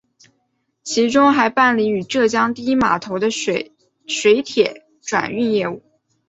其中还办理与浙江第一码头的水铁转运业务。